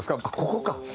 あっここか。